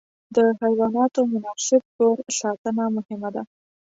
د حیواناتو مناسب کور ساتنه مهمه ده.